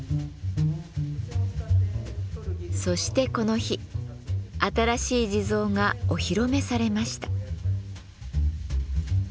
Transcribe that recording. そしてこの日新しい地蔵がお披露目されました。